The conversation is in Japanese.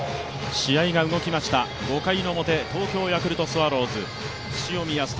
試合が動きました、５回表、東京ヤクルトスワローズ塩見泰隆